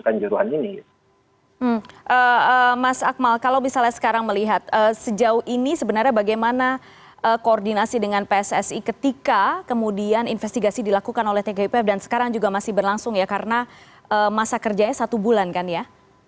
mas akmal kalau misalnya sekarang melihat sejauh ini sebenarnya bagaimana koordinasi dengan pssi ketika kemudian investigasi dilakukan oleh tgipf dan sekarang juga masih berlangsung ya karena masa kerjanya satu bulan kan ya